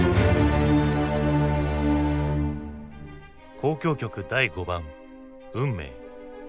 「交響曲第５番『運命』」。